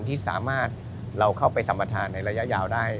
ที่สามารถเราเข้าไปสัมประธานในระยะยาวได้